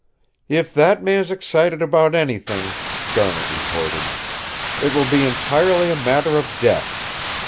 "If that man's excited about anything," Garnet retorted, "it will be entirely a matter of death.